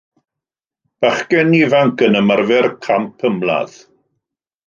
Bachgen ifanc yn ymarfer camp ymladd.